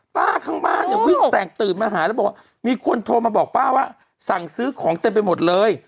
ข้างบ้านเนี่ยวิ่งแตกตื่นมาหาแล้วบอกว่ามีคนโทรมาบอกป้าว่าสั่งซื้อของเต็มไปหมดเลย